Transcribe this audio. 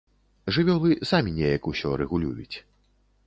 Жывёлы самі неяк усё рэгулююць.